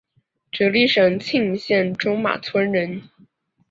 直隶省庆云县中马村人。